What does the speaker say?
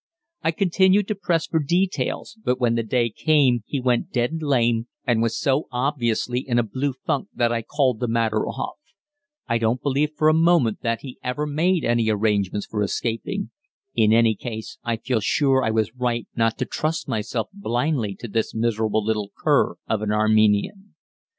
I continued to press for details, but when the day came he went dead lame, and was so obviously in a blue funk that I called the matter off. I don't believe for a moment that he had ever made any arrangements for escaping. In any case I feel sure I was right not to trust myself blindly to this miserable little cur of an Armenian.